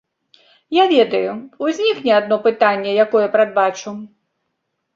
Я ведаю, узнікне адно пытанне, якое прадбачу.